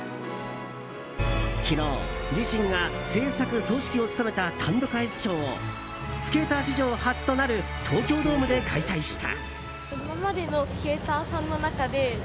昨日、自身が制作総指揮を務めた単独アイスショーをスケーター史上初となる東京ドームで開催した。